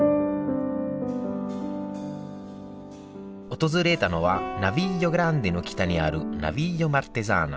訪れたのはナヴィリオ・グランデの北にあるナヴィリオ・マルテザーナ。